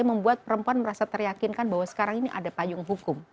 membuat perempuan merasa teryakinkan bahwa sekarang ini ada payung hukum